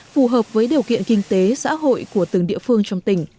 phù hợp với điều kiện kinh tế xã hội của từng địa phương trong tỉnh